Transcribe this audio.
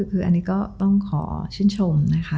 คืออันนี้ก็ต้องขอชื่นชมนะคะ